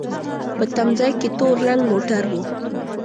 په تم ځای کې تور رنګ موټر و.